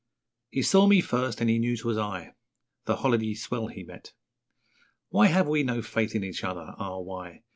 He saw me first, and he knew 'twas I The holiday swell he met. Why have we no faith in each other? Ah, why?